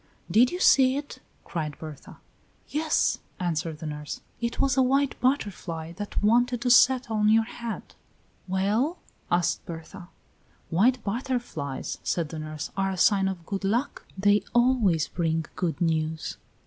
"Did you see it?" cried Berta. "Yes," answered the nurse, "it was a white butterfly that wanted to settle on your head." "Well?" asked Berta. "White butterflies," said the nurse, "are a sign of good luck; they always bring good news."